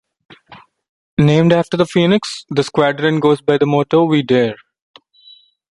Named after the Phoenix, the squadron goes by the motto "We Dare".